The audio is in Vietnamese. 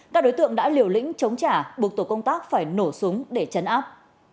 các đối tượng đã liều lĩnh chống trả buộc tổ công tác phải nổ súng để chấn áp